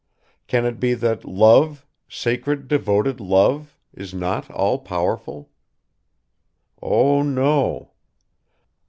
Can it be that love, sacred devoted love, is not all powerful? Oh, no!